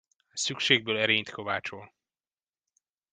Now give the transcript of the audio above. A szükségből erényt kovácsol.